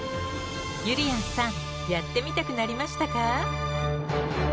ゆりやんさんやってみたくなりましたか？